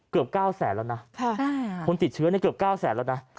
เกือบเก้าแสนแล้วนะฮะคนติดเชื้อนี้เกือบเก้าแสนแล้วนะค่ะ